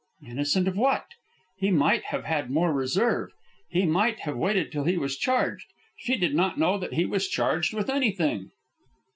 Innocent of what? He might have had more reserve. He might have waited till he was charged. She did not know that he was charged with anything.